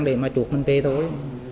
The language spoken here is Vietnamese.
để mà chuộc anh về thôi